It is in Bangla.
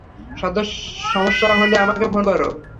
সমস্যা হলে আমাকে ফোন করো।